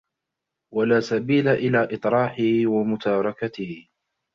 وَلَا سَبِيلَ إلَى إطْرَاحِهِ وَمُتَارَكَتِهِ